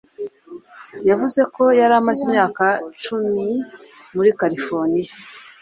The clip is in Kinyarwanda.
Yavuze ko yari amaze imyaka icumi muri Californiya.